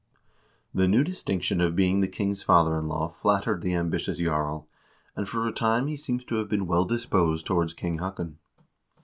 The new distinction of being the king's father in law flattered the ambitious jarl, and for a time he seems to have been well disposed towards King Haakon.